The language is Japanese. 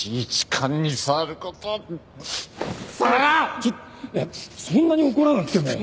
ちょっそんなに怒らなくても。